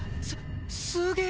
すすげえ！